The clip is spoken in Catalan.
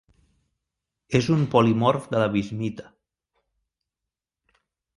És un polimorf de la bismita.